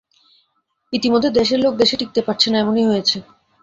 ইতিমধ্যে দেশের লোক দেশে টিঁকতে পারছে না এমনি হয়েছে।